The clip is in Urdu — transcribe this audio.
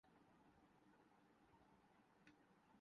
لوگوں پر چلاتا ہوں